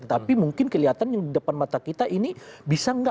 tapi mungkin kelihatan yang di depan mata kita ini bisa nggak